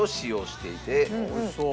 おいしそう。